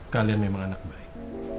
kalian memang anak baik